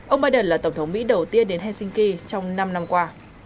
ông biden là tổng thống mỹ đầu tiên đến helsinki trong năm năm qua